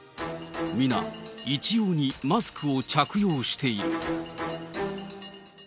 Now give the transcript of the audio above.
皆一様にマスクを着用している。